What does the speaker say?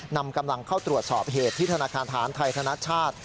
นำกำลังเข้าตรวจสอบเหตุที่ธนาคารฐานไทยธนชาติ